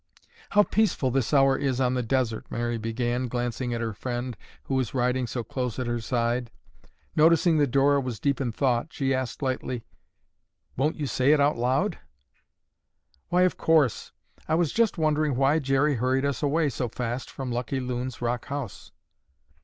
"How peaceful this hour is on the desert," Mary began, glancing at her friend who was riding so close at her side. Noticing that Dora was deep in thought, she asked lightly, "Won't you say it out loud?" "Why, of course. I was just wondering why Jerry hurried us away so fast from Lucky Loon's rock house."